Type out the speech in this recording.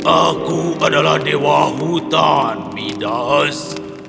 aku adalah dewa hutan midas